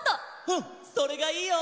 うんそれがいいよ！